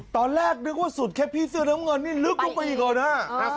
ตอนแรกนึกว่าสุดแค่พี่เสื้อน้ำเงินนี่ลึกลงไปอีกก่อนฮะ